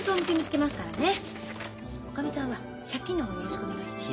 おかみさんは借金の方をよろしくお願いします。